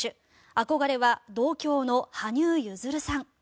憧れは同郷の羽生結弦さん。